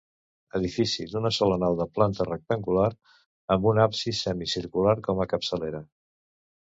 Edifici d'una sola nau de planta rectangular, amb un absis semi circular com a capçalera.